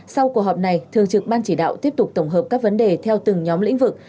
sau cuộc họp này thường trực ban chỉ đạo tiếp tục tổng hợp các vấn đề theo từng nhóm lĩnh vực